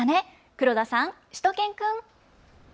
黒田さん、しゅと犬くん。